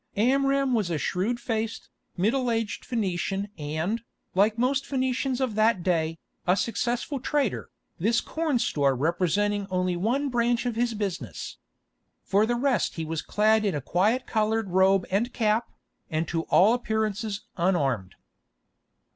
Amram was a shrewd faced, middle aged Phœnician and, like most Phœnicians of that day, a successful trader, this corn store representing only one branch of his business. For the rest he was clad in a quiet coloured robe and cap, and to all appearance unarmed.